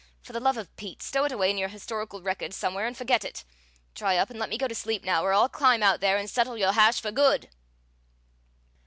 For the love of Pete, stow it away in your historical records somewhere and forget it! Dry up and lemme go to sleep now, or I'll climb out there and settle your hash for good!"